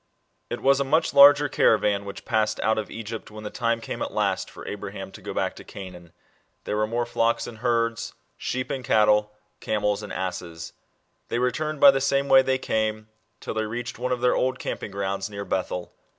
IT was a much larger caravan which passed out of Egypt, when t the time came at last for Abraham to go back to Cajiaan ; there were more flocks 1 See chapter 5. B.c. 1918.] ABRAHAM AND LOT. 9 and herds, sheep and cattle, camels and asses. They returned by the same way they came, till they reached one of their old camping grounds near Bethel.